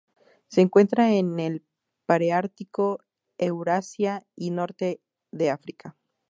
Se encuentra en el paleártico:Eurasia y norte de África.